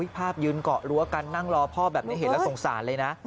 ภาพยืนเกาะรั้วกันนั่งรอพ่อแบบนี้เห็นแล้วสงสารเลยนะ